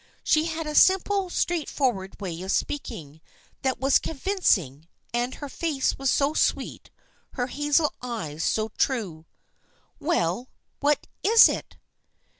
She had a simple, straight forward way of speaking that was convincing, and her face was so sweet, her hazel eyes so true. " Well, what is it?"